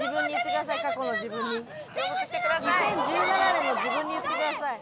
２０１７年の自分に言ってください。